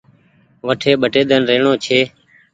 وٺي ٻٽي ۮن رهڻو ڇي